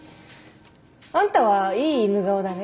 あんたはいい犬顔だね。